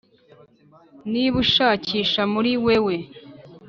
niba ushakisha muri wewe